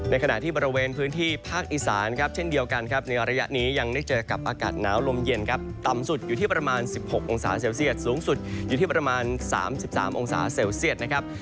ขณะที่บริเวณพื้นที่ภาคอีสานครับเช่นเดียวกันครับในระยะนี้ยังได้เจอกับอากาศหนาวลมเย็นครับต่ำสุดอยู่ที่ประมาณ๑๖องศาเซลเซียตสูงสุดอยู่ที่ประมาณ๓๓องศาเซลเซียตนะครับ